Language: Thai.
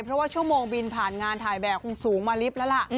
เพราะว่าชั่วโมงบินผ่านงานถ่ายแบบคงสูงมาลิฟต์แล้วล่ะ